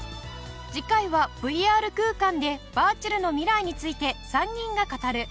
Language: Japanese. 次回はＶＲ空間でバーチャルの未来について３人が語る。